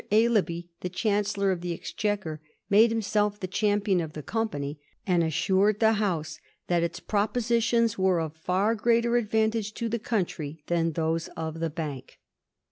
Aislabie, the Chancellor of the Exchequer, made himself the champion of the company, and assured the House that its propositions were of far greater advantage to the country than those of the Bank.